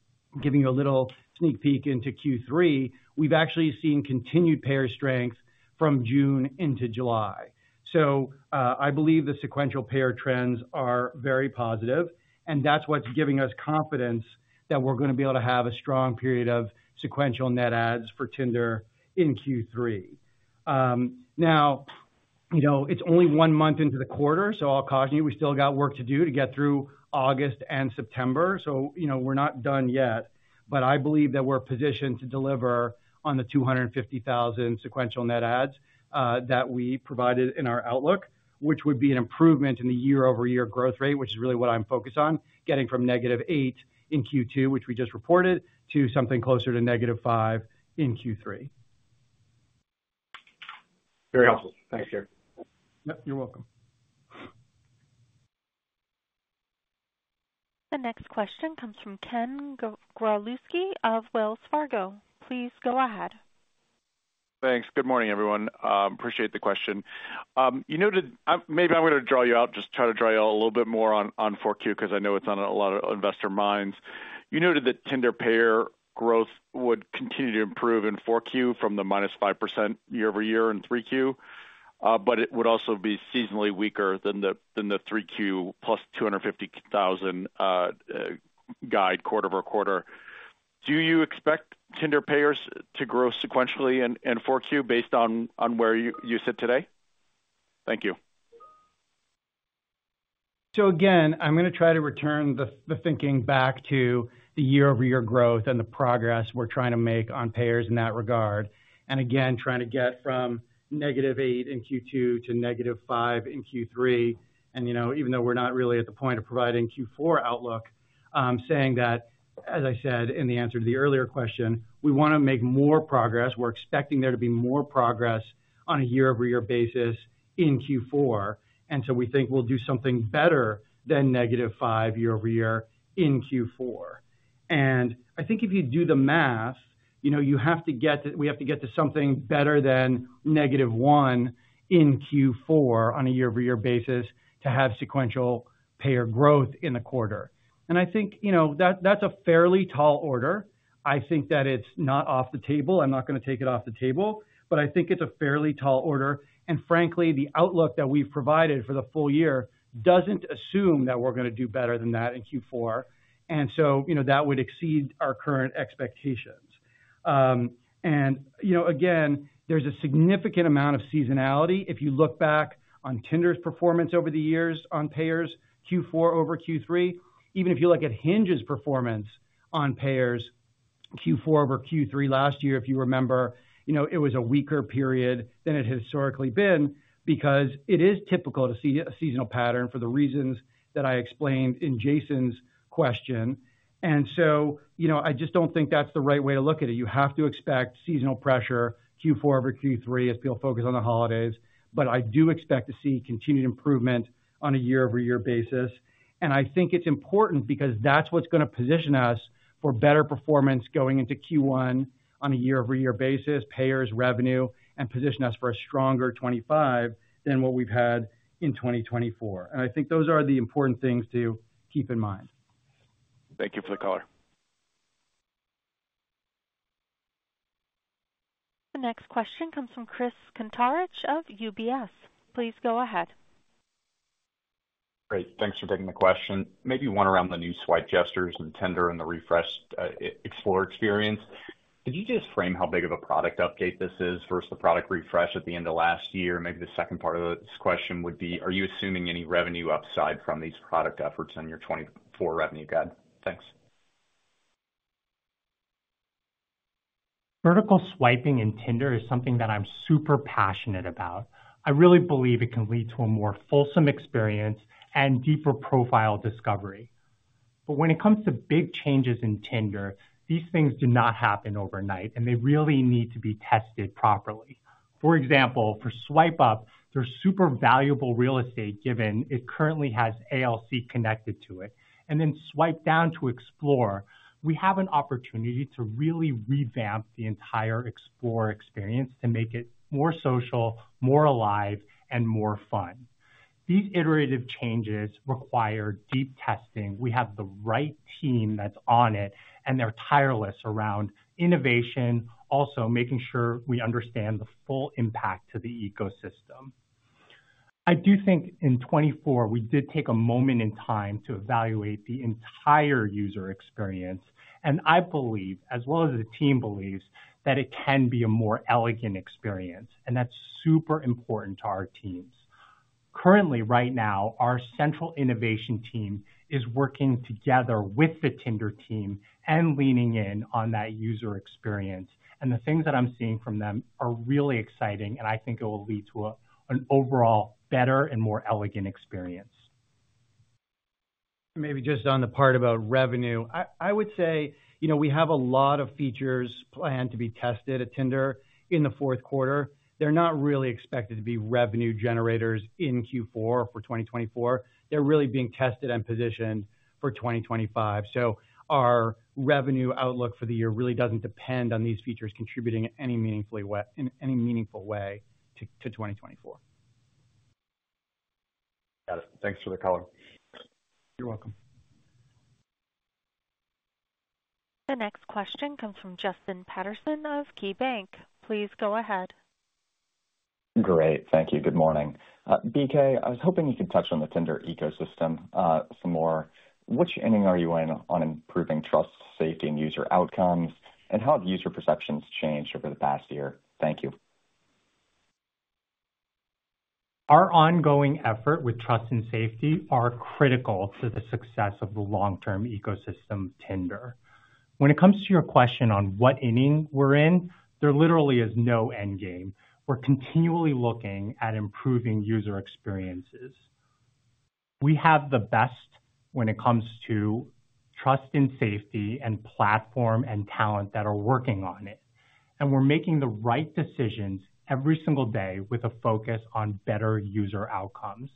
giving you a little sneak peek into Q3, we've actually seen continued payer strength from June into July. So, I believe the sequential payer trends are very positive, and that's what's giving us confidence that we're going to be able to have a strong period of sequential net adds for Tinder in Q3. Now, you know, it's only one month into the quarter, so I'll caution you, we still got work to do to get through August and September, so, you know, we're not done yet. But I believe that we're positioned to deliver on the 250,000 sequential net adds that we provided in our outlook, which would be an improvement in the year-over-year growth rate, which is really what I'm focused on, getting from -8% in Q2, which we just reported, to something closer to -5% in Q3. Very helpful. Thanks, Gary. Yep, you're welcome. The next question comes from Ken Gawrelski of Wells Fargo. Please go ahead. Thanks. Good morning, everyone. Appreciate the question. You noted, maybe I'm going to draw you out, just try to draw you out a little bit more on, on 4Q, because I know it's on a lot of investor minds. You noted that Tinder payer growth would continue to improve in 4Q from the -5% year-over-year in 3Q, but it would also be seasonally weaker than the, than the 3Q plus 250,000, guide quarter-over-quarter. Do you expect Tinder payers to grow sequentially in, in 4Q based on, on where you, you sit today? Thank you. So again, I'm going to try to return the thinking back to the year-over-year growth and the progress we're trying to make on payers in that regard. And again, trying to get from -8% in Q2 to -5% in Q3. And, you know, even though we're not really at the point of providing Q4 outlook, I'm saying that, as I said in the answer to the earlier question, we want to make more progress. We're expecting there to be more progress on a year-over-year basis in Q4, and so we think we'll do something better than -5% year-over-year in Q4. And I think if you do the math, you know, you have to get to—we have to get to something better than -1% in Q4 on a year-over-year basis to have sequential payer growth in the quarter. And I think, you know, that, that's a fairly tall order. I think that it's not off the table. I'm not going to take it off the table, but I think it's a fairly tall order. And frankly, the outlook that we've provided for the full year doesn't assume that we're going to do better than that in Q4. And so, you know, that would exceed our current expectations. And you know, again, there's a significant amount of seasonality. If you look back on Tinder's performance over the years on payers, Q4 over Q3, even if you look at Hinge's performance on payers, Q4 over Q3 last year, if you remember, you know, it was a weaker period than it has historically been, because it is typical to see a seasonal pattern for the reasons that I explained in Jason's question. So, you know, I just don't think that's the right way to look at it. You have to expect seasonal pressure, Q4 over Q3, as people focus on the holidays, but I do expect to see continued improvement on a year-over-year basis. I think it's important because that's what's going to position us for better performance going into Q1 on a year-over-year basis, payers, revenue, and position us for a stronger 2025 than what we've had in 2024. I think those are the important things to keep in mind. Thank you for the call. The next question comes from Chris Kuntarich of UBS. Please go ahead. Great, thanks for taking the question. Maybe one around the new swipe gestures in Tinder and the refreshed Explore experience. Could you just frame how big of a product update this is versus the product refresh at the end of last year? And maybe the second part of this question would be: Are you assuming any revenue upside from these product efforts on your 2024 revenue guide? Thanks. Vertical swiping in Tinder is something that I'm super passionate about. I really believe it can lead to a more fulsome experience and deeper profile discovery. But when it comes to big changes in Tinder, these things do not happen overnight, and they really need to be tested properly. For example, for swipe up, there's super valuable real estate, given it currently has ALC connected to it. And then swipe down to Explore, we have an opportunity to really revamp the entire Explore experience to make it more social, more alive, and more fun. These iterative changes require deep testing. We have the right team that's on it, and they're tireless around innovation, also making sure we understand the full impact to the ecosystem. I do think in 2024, we did take a moment in time to evaluate the entire user experience, and I believe, as well as the team believes, that it can be a more elegant experience, and that's super important to our teams. Currently, right now, our central innovation team is working together with the Tinder team and leaning in on that user experience, and the things that I'm seeing from them are really exciting, and I think it will lead to a, an overall better and more elegant experience. Maybe just on the part about revenue. I, I would say, you know, we have a lot of features planned to be tested at Tinder in the fourth quarter. They're not really expected to be revenue generators in Q4 for 2024. They're really being tested and positioned for 2025. So our revenue outlook for the year really doesn't depend on these features contributing any meaningfully in any meaningful way to 2024. Got it. Thanks for the color. You're welcome. The next question comes from Justin Patterson of KeyBanc Capital Markets. Please go ahead. Great. Thank you. Good morning. BK, I was hoping you could touch on the Tinder ecosystem, some more. Which inning are you in on improving trust, safety, and user outcomes? And how have user perceptions changed over the past year? Thank you. Our ongoing effort with trust and safety are critical to the success of the long-term ecosystem, Tinder. When it comes to your question on what inning we're in, there literally is no end game. We're continually looking at improving user experiences. We have the best when it comes to trust and safety and platform and talent that are working on it, and we're making the right decisions every single day with a focus on better user outcomes.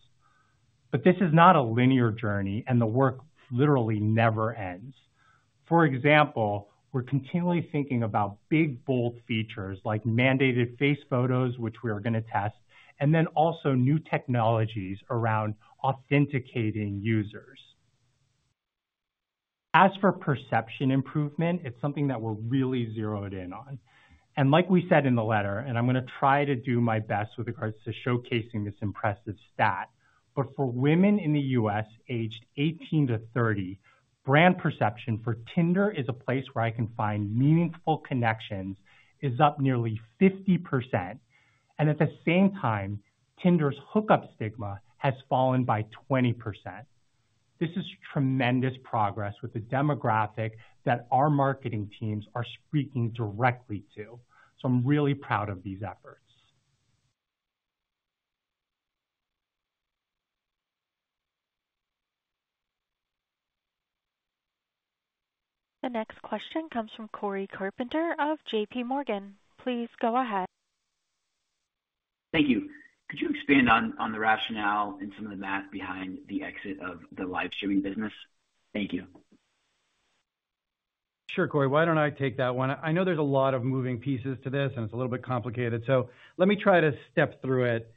But this is not a linear journey, and the work literally never ends. For example, we're continually thinking about big, bold features like mandated face photos, which we are gonna test, and then also new technologies around authenticating users. As for perception improvement, it's something that we're really zeroed in on. Like we said in the letter, and I'm gonna try to do my best with regards to showcasing this impressive stat, but for women in the U.S. aged 18 to 30, brand perception for Tinder is a place where I can find meaningful connections is up nearly 50%, and at the same time, Tinder's hookup stigma has fallen by 20%. This is tremendous progress with the demographic that our marketing teams are speaking directly to. I'm really proud of these efforts. The next question comes from Cory Carpenter of JPMorgan. Please go ahead. Thank you. Could you expand on, on the rationale and some of the math behind the exit of the live streaming business? Thank you. Sure, Cory, why don't I take that one? I know there's a lot of moving pieces to this, and it's a little bit complicated, so let me try to step through it.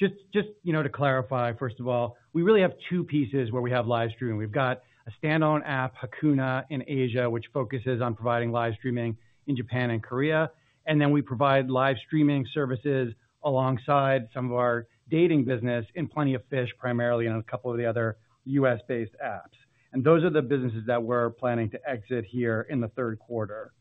Just, just, you know, to clarify, first of all, we really have two pieces where we have live streaming. We've got a standalone app, Hakuna, in Asia, which focuses on providing live streaming in Japan and Korea. And then we provide live streaming services alongside some of our dating business in Plenty of Fish, primarily in a couple of the other U.S.-based apps. And those are the businesses that we're planning to exit here in the third quarter.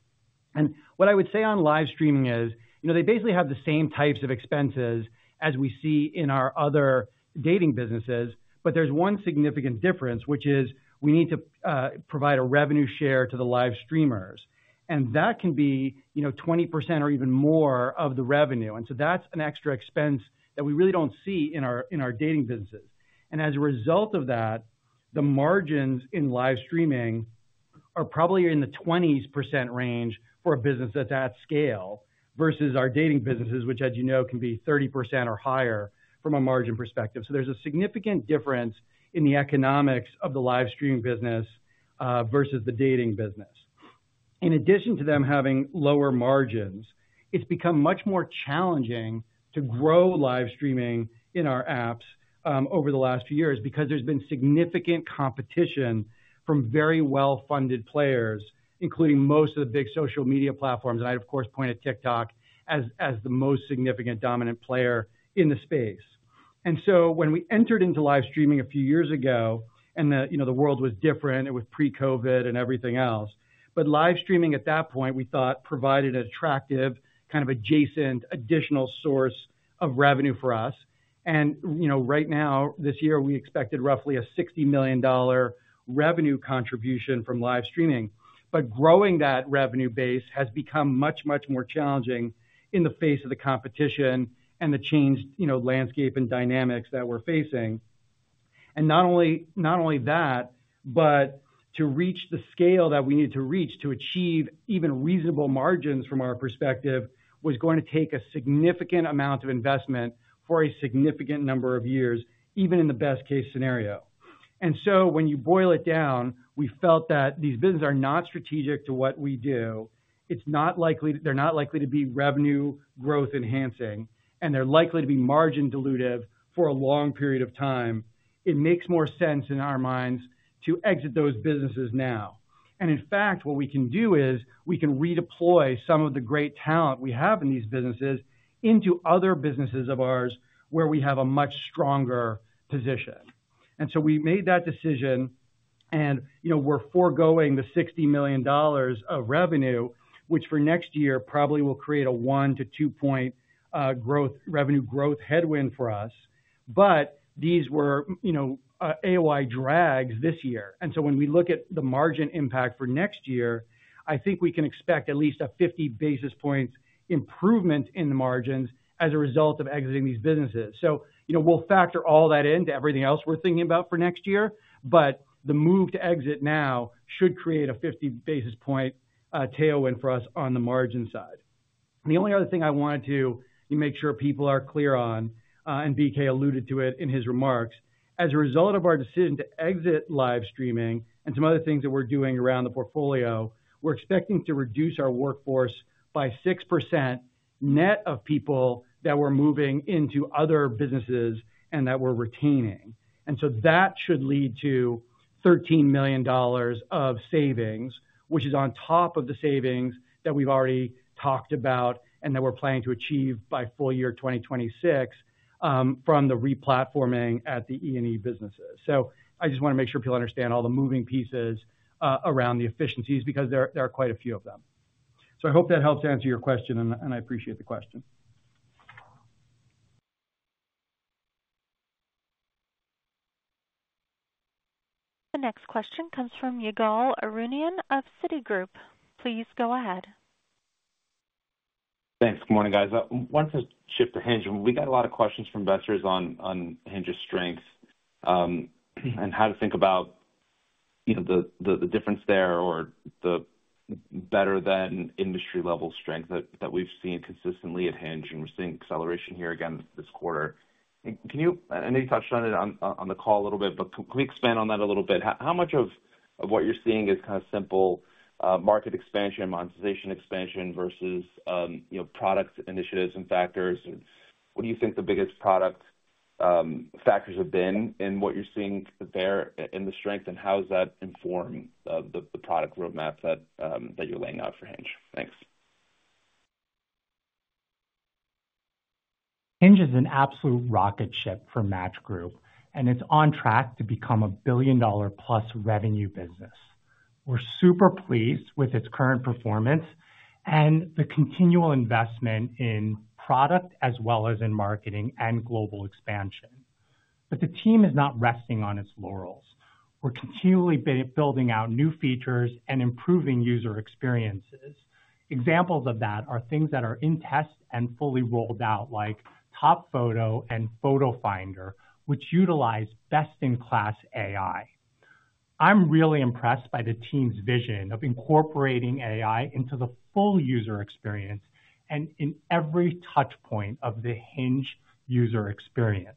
What I would say on live streaming is, you know, they basically have the same types of expenses as we see in our other dating businesses, but there's one significant difference, which is we need to provide a revenue share to the live streamers, and that can be, you know, 20% or even more of the revenue. So that's an extra expense that we really don't see in our dating businesses. As a result of that, the margins in live streaming are probably in the 20s% range for a business that's at scale, versus our dating businesses, which, as you know, can be 30% or higher from a margin perspective. So there's a significant difference in the economics of the live streaming business versus the dating business. In addition to them having lower margins, it's become much more challenging to grow live streaming in our apps over the last few years because there's been significant competition from very well-funded players, including most of the big social media platforms. And I, of course, point at TikTok as the most significant dominant player in the space. And so when we entered into live streaming a few years ago and, you know, the world was different, it was pre-COVID and everything else, but live streaming at that point, we thought provided an attractive, kind of adjacent, additional source of revenue for us. And, you know, right now, this year, we expected roughly a $60 million revenue contribution from live streaming. But growing that revenue base has become much, much more challenging in the face of the competition and the changed, you know, landscape and dynamics that we're facing. And not only, not only that, but to reach the scale that we need to reach to achieve even reasonable margins from our perspective, was going to take a significant amount of investment for a significant number of years, even in the best-case scenario. And so when you boil it down, we felt that these businesses are not strategic to what we do. It's not likely. They're not likely to be revenue growth enhancing, and they're likely to be margin dilutive for a long period of time. It makes more sense in our minds to exit those businesses now. In fact, what we can do is, we can redeploy some of the great talent we have in these businesses into other businesses of ours, where we have a much stronger position. So we made that decision, and, you know, we're foregoing the $60 million of revenue, which for next year probably will create a 1-2 point growth revenue growth headwind for us. But these were, you know, AOI drags this year. So when we look at the margin impact for next year, I think we can expect at least a 50 basis points improvement in the margins as a result of exiting these businesses. So, you know, we'll factor all that in to everything else we're thinking about for next year, but the move to exit now should create a 50 basis point tailwind for us on the margin side. The only other thing I wanted to make sure people are clear on, and BK alluded to it in his remarks. As a result of our decision to exit live streaming and some other things that we're doing around the portfolio, we're expecting to reduce our workforce by 6% net of people that we're moving into other businesses and that we're retaining. And so that should lead to $13 million of savings, which is on top of the savings that we've already talked about and that we're planning to achieve by full year 2026, from the replatforming at the E&E businesses. So I just want to make sure people understand all the moving pieces around the efficiencies, because there are quite a few of them. So I hope that helps answer your question, and I appreciate the question. The next question comes from Ygal Arounian of Citigroup. Please go ahead. Thanks. Good morning, guys. I want to shift to Hinge. We got a lot of questions from investors on Hinge's strength, and how to think about, you know, the difference there or the better than industry level strength that we've seen consistently at Hinge, and we're seeing acceleration here again this quarter. Can you. I know you touched on it on the call a little bit, but can we expand on that a little bit? How much of what you're seeing is kind of simple, market expansion, monetization expansion versus, you know, product initiatives and factors? What do you think the biggest product factors have been in what you're seeing there in the strength, and how does that inform the product roadmap that you're laying out for Hinge? Thanks. Hinge is an absolute rocket ship for Match Group, and it's on track to become a billion-dollar plus revenue business. We're super pleased with its current performance and the continual investment in product as well as in marketing and global expansion. But the team is not resting on its laurels. We're continually building out new features and improving user experiences. Examples of that are things that are in test and fully rolled out, like Top Photo and Photo Finder, which utilize best-in-class AI. I'm really impressed by the team's vision of incorporating AI into the full user experience and in every touch point of the Hinge user experience.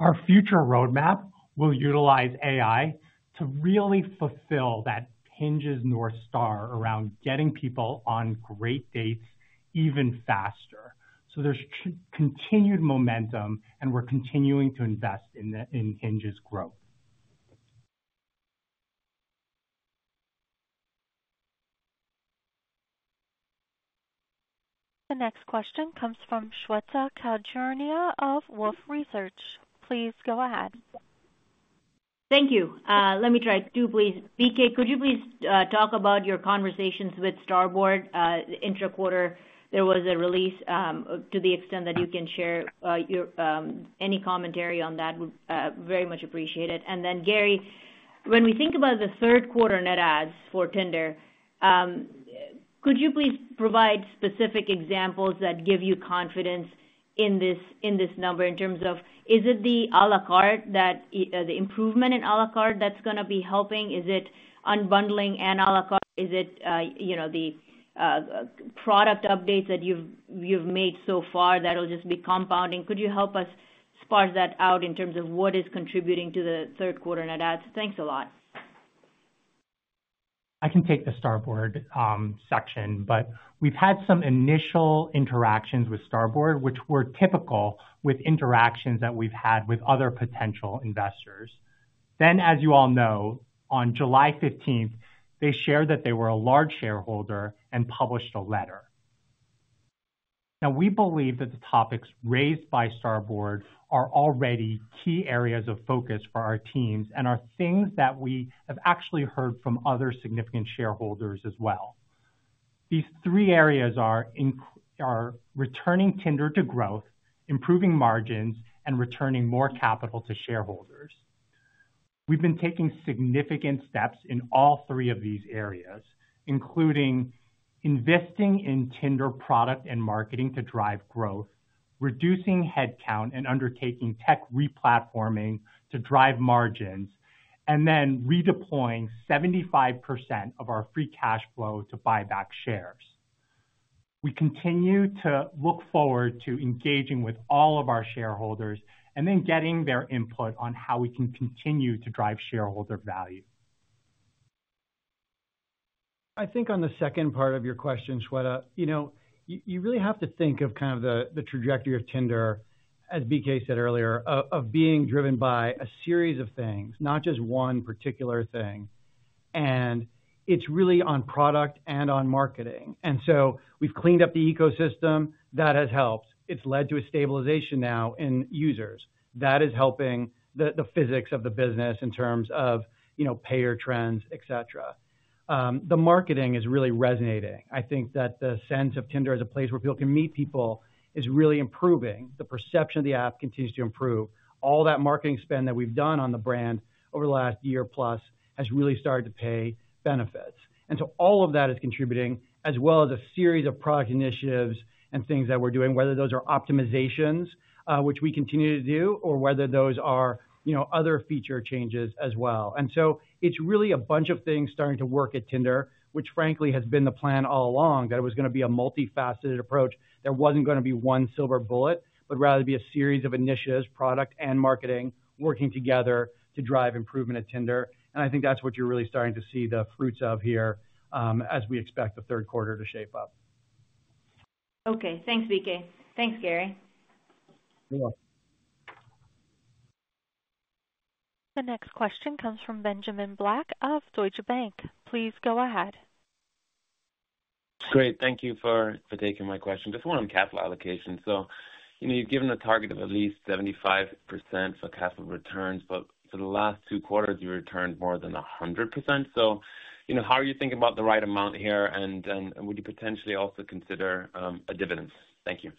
Our future roadmap will utilize AI to really fulfill that Hinge's North Star around getting people on great dates even faster. So there's continued momentum, and we're continuing to invest in Hinge's growth. The next question comes from Shweta Khajuria of Wolfe Research. Please go ahead. Thank you. Let me try to, please. BK, could you please talk about your conversations with Starboard? Intra-quarter, there was a release, to the extent that you can share, your. Any commentary on that, would very much appreciate it. And then, Gary, when we think about the third quarter net adds for Tinder, could you please provide specific examples that give you confidence in this, in this number, in terms of, is it the a la carte that, the improvement in a la carte that's going to be helping? Is it unbundling and a la carte? Is it, you know, the, product updates that you've, you've made so far that will just be compounding? Could you help us parse that out in terms of what is contributing to the third quarter net adds? Thanks a lot. I can take the Starboard section, but we've had some initial interactions with Starboard, which were typical with interactions that we've had with other potential investors. Then, as you all know, on July 15th, they shared that they were a large shareholder and published a letter. Now, we believe that the topics raised by Starboard are already key areas of focus for our teams and are things that we have actually heard from other significant shareholders as well. These three areas are returning Tinder to growth, improving margins, and returning more capital to shareholders. We've been taking significant steps in all three of these areas, including investing in Tinder product and marketing to drive growth, reducing headcount and undertaking tech replatforming to drive margins, and then redeploying 75% of our free cash flow to buy back shares. We continue to look forward to engaging with all of our shareholders and then getting their input on how we can continue to drive shareholder value. I think on the second part of your question, Shweta, you know, you, you really have to think of kind of the, the trajectory of Tinder, as BK said earlier, of, of being driven by a series of things, not just one particular thing. And it's really on product and on marketing. And so we've cleaned up the ecosystem. That has helped. It's led to a stabilization now in users. That is helping the physics of the business in terms of, you know, payer trends, et cetera. The marketing is really resonating. I think that the sense of Tinder as a place where people can meet people is really improving. The perception of the app continues to improve. All that marketing spend that we've done on the brand over the last year plus has really started to pay benefits. And so all of that is contributing, as well as a series of product initiatives and things that we're doing, whether those are optimizations, which we continue to do, or whether those are, you know, other feature changes as well. So it's really a bunch of things starting to work at Tinder, which frankly, has been the plan all along, that it was gonna be a multifaceted approach, that wasn't gonna be one silver bullet, but rather be a series of initiatives, product and marketing, working together to drive improvement at Tinder. I think that's what you're really starting to see the fruits of here, as we expect the third quarter to shape up. Okay, thanks, BK. Thanks, Gary. You're welcome. The next question comes from Benjamin Black of Deutsche Bank. Please go ahead. Great, thank you for taking my question. Just one on capital allocation. So, you know, you've given a target of at least 75% for capital returns, but for the last two quarters, you returned more than 100%. So, you know, how are you thinking about the right amount here? And then, would you potentially also consider a dividend? Thank you.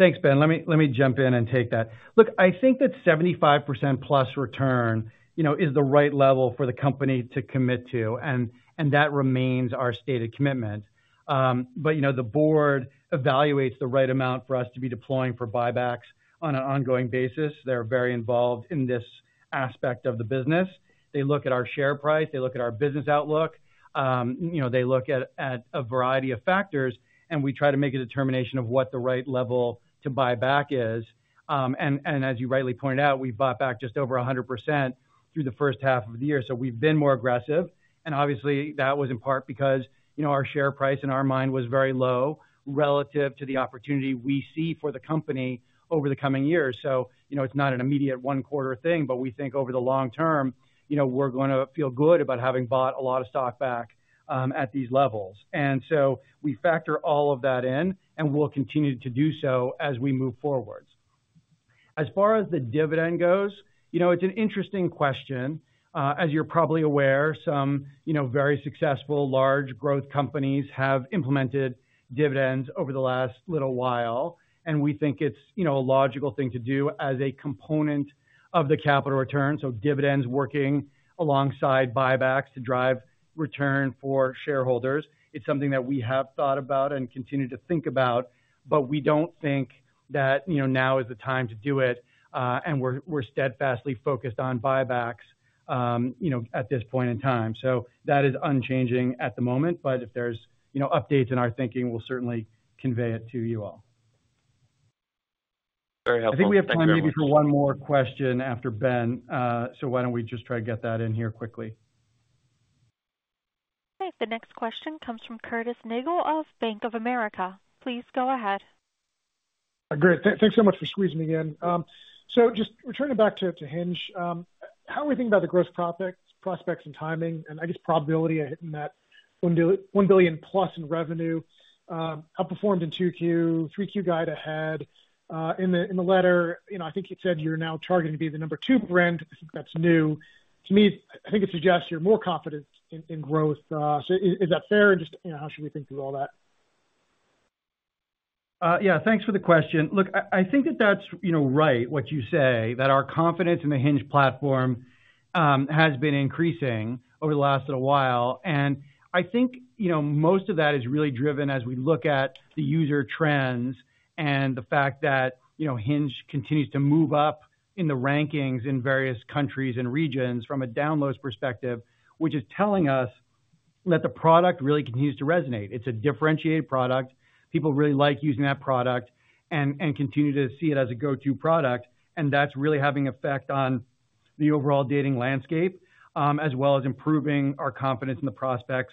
Thanks, Ben. Let me jump in and take that. Look, I think that 75%+ return, you know, is the right level for the company to commit to, and that remains our stated commitment. But, you know, the board evaluates the right amount for us to be deploying for buybacks on an ongoing basis. They're very involved in this aspect of the business. They look at our share price, they look at our business outlook, you know, they look at a variety of factors, and we try to make a determination of what the right level to buy back is. And as you rightly pointed out, we bought back just over 100% through the first half of the year, so we've been more aggressive. And obviously, that was in part because, you know, our share price in our mind was very low relative to the opportunity we see for the company over the coming years. So, you know, it's not an immediate one quarter thing, but we think over the long term, you know, we're gonna feel good about having bought a lot of stock back, at these levels. And so we factor all of that in, and we'll continue to do so as we move forward. As far as the dividend goes, you know, it's an interesting question. As you're probably aware, some, you know, very successful, large growth companies have implemented dividends over the last little while, and we think it's, you know, a logical thing to do as a component of the capital return. So dividends working alongside buybacks to drive return for shareholders. It's something that we have thought about and continue to think about, but we don't think that, you know, now is the time to do it, and we're steadfastly focused on buybacks, you know, at this point in time. So that is unchanging at the moment, but if there's, you know, updates in our thinking, we'll certainly convey it to you all. Very helpful. I think we have time maybe for one more question after Ben. So why don't we just try to get that in here quickly? Okay, the next question comes from Curtis Nagle of Bank of America. Please go ahead. Great. Thanks so much for squeezing me in. So just returning back to Hinge, how are we thinking about the growth prospects and timing, and I guess probability of hitting that $1 billion+ in revenue, outperformed in 2Q, 3Q guide ahead. In the letter, you know, I think you said you're now targeting to be the number two brand. I think that's new to me. I think it suggests you're more confident in growth. So is that fair? Just, you know, how should we think through all that? Yeah, thanks for the question. Look, I think that that's, you know, right, what you say, that our confidence in the Hinge platform has been increasing over the last little while. I think, you know, most of that is really driven as we look at the user trends and the fact that, you know, Hinge continues to move up in the rankings in various countries and regions from a downloads perspective, which is telling us that the product really continues to resonate. It's a differentiated product. People really like using that product and continue to see it as a go-to product, and that's really having an effect on the overall dating landscape, as well as improving our confidence in the prospects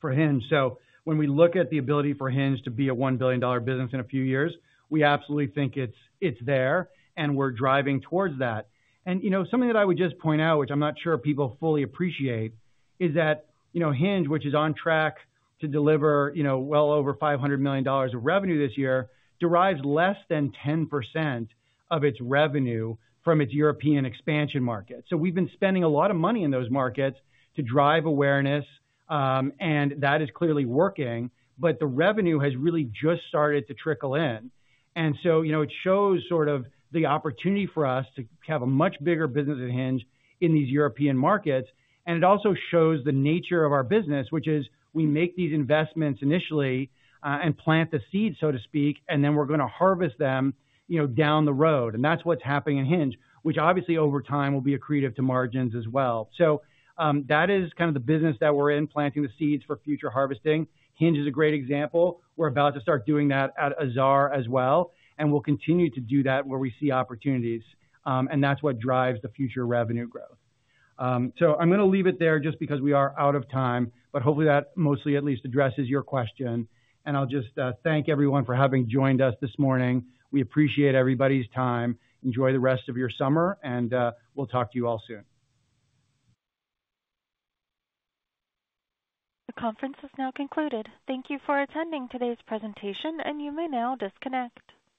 for Hinge. So when we look at the ability for Hinge to be a $1 billion business in a few years, we absolutely think it's, it's there, and we're driving towards that. And, you know, something that I would just point out, which I'm not sure people fully appreciate, is that, you know, Hinge, which is on track to deliver, you know, well over $500 million of revenue this year, derives less than 10% of its revenue from its European expansion market. So we've been spending a lot of money in those markets to drive awareness, and that is clearly working, but the revenue has really just started to trickle in. And so, you know, it shows sort of the opportunity for us to have a much bigger business at Hinge in these European markets. And it also shows the nature of our business, which is we make these investments initially, and plant the seeds, so to speak, and then we're gonna harvest them, you know, down the road. And that's what's happening in Hinge, which obviously, over time, will be accretive to margins as well. So, that is kind of the business that we're in, planting the seeds for future harvesting. Hinge is a great example. We're about to start doing that at Azar as well, and we'll continue to do that where we see opportunities, and that's what drives the future revenue growth. So I'm gonna leave it there just because we are out of time, but hopefully that mostly at least addresses your question. And I'll just thank everyone for having joined us this morning. We appreciate everybody's time. Enjoy the rest of your summer, and we'll talk to you all soon. The conference is now concluded. Thank you for attending today's presentation, and you may now disconnect.